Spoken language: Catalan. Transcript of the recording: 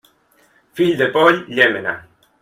Fill de poll, llémena.